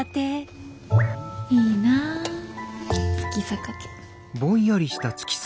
いいなあ月坂家。